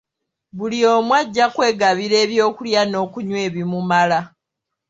Buli omu ajja kwegabira eby’okulya n’okunywa ebimumala.